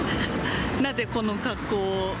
なぜ、この格好を？